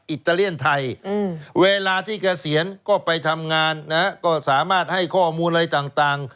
อิตาเลียนไทยเวลาที่เกษียณก็ไปทำงานนะก็สามารถให้ข้อมูลอะไรต่าง